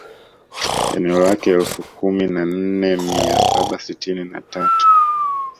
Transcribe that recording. Eneo lake elfu kumi na nne mia saba sitini na tatu